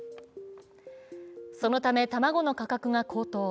そのため、卵の価格が高騰。